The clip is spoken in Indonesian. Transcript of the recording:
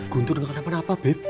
guntur enggak kenapa napa beb